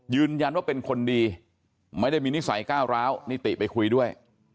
ยืนยันว่าเป็นคนดีไม่ได้มีนิสัยก้าวร้าวนิติไปคุยด้วย